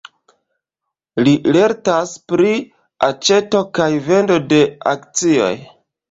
Li lertas pri aĉeto kaj vendo de akcioj.